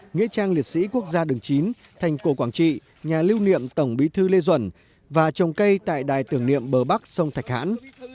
nghĩa trang liệt sĩ quốc gia đường chín thành cổ quảng trị nhà lưu niệm tổng bí thư lê duẩn và trồng cây tại đài tưởng niệm bờ bắc sông thạch hãn